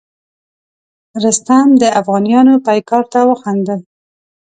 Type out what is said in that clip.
رستم د افغانیانو پیکار ته وخندل.